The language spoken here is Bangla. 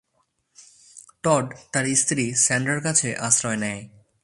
টড তার স্ত্রী স্যান্ড্রার কাছে আশ্রয় নেয়।